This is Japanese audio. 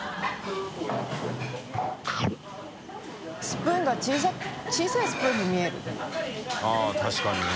スプーンが小さいスプーンに見える◆舛確かにね。